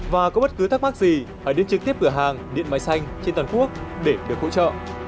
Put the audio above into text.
và có bất cứ thắc mắc gì hãy đến trực tiếp cửa hàng điện máy xanh trên toàn quốc để được hỗ trợ